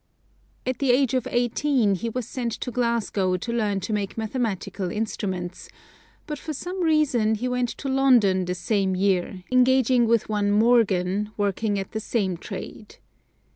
At the age of eighteen he was sent to Glasgow to learn to make mathematical instruments, but for some reason he went to London the same year, engaging with one Morgan, working at the same trade.